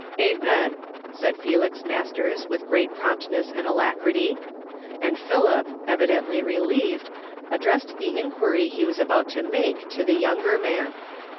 " Amen I" said Felix Masters with great prompt ness and alacrity ; and Philip, evidently relieved, addressed the inquiry he was about to make to the younger man.